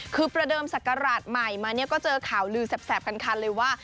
คือประเดิมศักราชใหม่มาเนี่ยก็เจอข่าวลือแสบคันเลยว่า